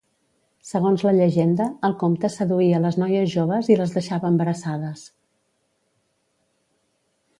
Segons la llegenda, el comte seduïa les noies joves i les deixava embarassades.